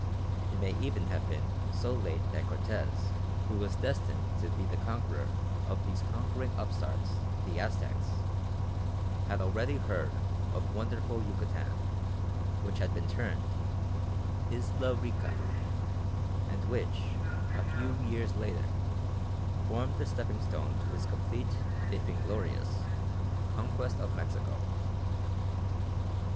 It may even have been so late that Cortes, who was destined to be the conqueror of these conquering upstarts, the Aztecs, had already heard of wonderful Yucatan, which had been termed "Isla Rica," and which, a few years later, formed the stepping stone to his complete, if inglorious, conquest of Mexico.